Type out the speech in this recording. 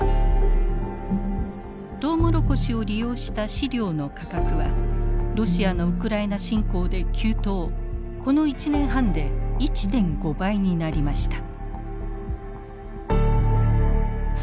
トウモロコシを利用した飼料の価格はロシアのウクライナ侵攻で急騰この１年半で１．５倍になりました。